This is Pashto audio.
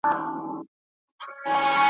وئېل ئې دا د خپلو خواهشونو غلامان دي ,